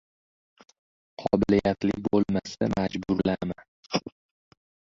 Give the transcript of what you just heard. Qobiliyati bo‘lmasa majburlama.